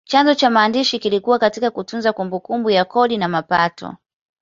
Chanzo cha maandishi kilikuwa katika kutunza kumbukumbu ya kodi na mapato.